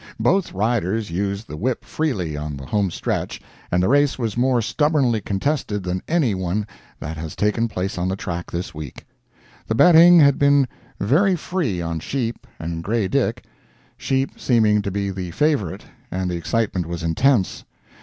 Both riders used the whip freely on the home stretch and the race was more stubbornly contested than any one that has taken place on the track this week. The betting had been very free on "Sheep" and "Grey Dick," "Sheep" seeming to be the favorite, and the excitement was intense.